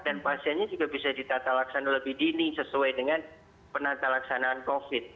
dan pasiennya juga bisa ditata laksana lebih dini sesuai dengan penata laksanaan covid